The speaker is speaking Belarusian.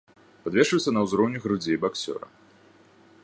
Падвешваецца на ўзроўні грудзей баксёра.